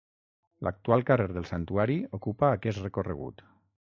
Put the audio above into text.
L'actual carrer del Santuari ocupa aquest recorregut.